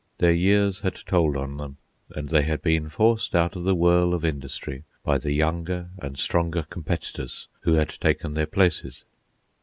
Their years had told on them, and they had been forced out of the whirl of industry by the younger and stronger competitors who had taken their places.